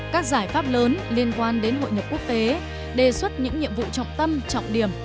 các giải pháp lớn liên quan đến hội nhập quốc tế đề xuất những nhiệm vụ trọng tâm trọng điểm